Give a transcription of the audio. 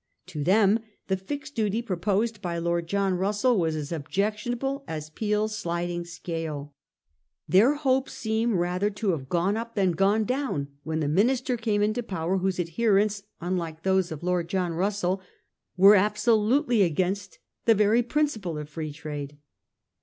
To them the fixed duty proposed by Lord John Russell was as objectionable as Peel's sliding scale. Their hopes seem rather to have gone up than gone down when the minister came into power whose adherents, un like those of Lord John Russell, were absolutely against the very principle of Free Trade.